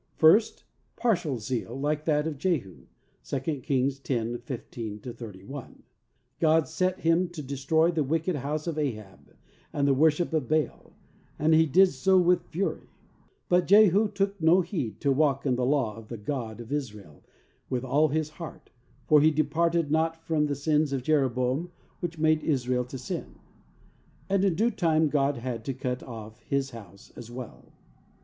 First: Partial zeal like that of Jehu. (2 Kings 10: 15 31.) God set him to destroy the wicked house of Ahab and the worship of Baal, and he did so with fury, "but Jehu took no heed to walk in the law of the God of Israel with all his heart, for he departed not from the sins of Jeroboam which made Israel to sin," and in due time God had to cut oflf his house as well.